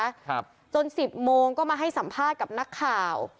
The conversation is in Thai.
ครับจนสิบโมงก็มาให้สัมภาษณ์กับนักข่าว